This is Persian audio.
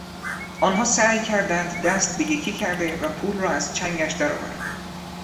آنها سعی کردند دست به یکی کرده و پول را از چنگش درآورند.